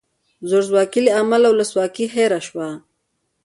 زورواکۍ له امله ولسواکي هیره شوه.